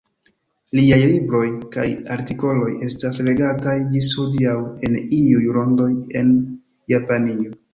Liaj libroj kaj artikoloj estas legataj ĝis hodiaŭ en iuj rondoj en Japanio.